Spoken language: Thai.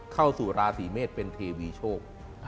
เข้าสู่ราศีเมษเป็นเทวีโชค